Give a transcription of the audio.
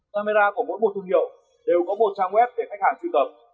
camera của mỗi một thương hiệu đều có một trang web để khách hàng truy cập